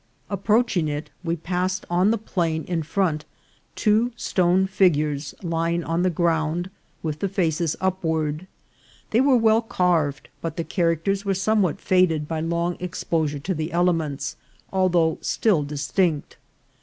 Approaching it, we passed on the plain in front two stone figures lying on the ground, with the faces upward ; they were well carved, but the characters were somewhat faded by long exposure to the elements, although still distinct.